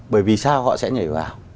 bởi vì sao họ sẽ nhảy vào